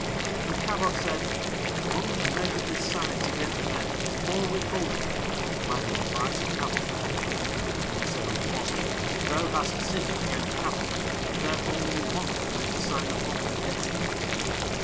And Kabok said: "Mung maketh his signs against men or withholdeth it by the advice of Kabok." And he said unto one: "Thou hast sinned against Kabok, therefore will Mung make the sign of Mung against thee."